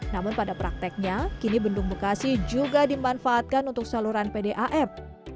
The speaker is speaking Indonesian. namun pada prakteknya kini bendung bekasi juga dimanfaatkan untuk saluran pdam